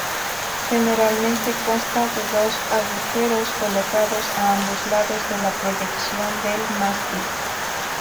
Generalmente constan de dos agujeros, colocados a ambos lados de la proyección del mástil.